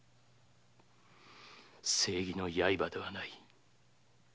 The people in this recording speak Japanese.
正義の刃ではない。